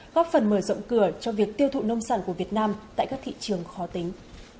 góp phần mở rộng cửa cho việc tiêu thụ nông sản của việt nam tại các thị trường khó tính